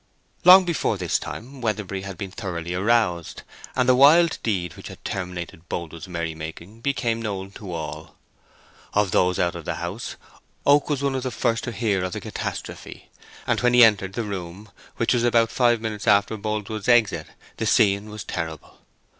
Long before this time Weatherbury had been thoroughly aroused, and the wild deed which had terminated Boldwood's merrymaking became known to all. Of those out of the house Oak was one of the first to hear of the catastrophe, and when he entered the room, which was about five minutes after Boldwood's exit, the scene was terrible.